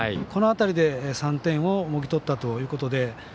この辺りで３点をもぎ取ったということで。